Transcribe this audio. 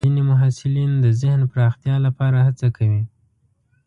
ځینې محصلین د ذهن پراختیا لپاره هڅه کوي.